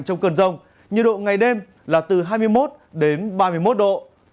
trong cơn rông nhiệt độ ngày đêm là từ hai mươi một đến ba mươi một độ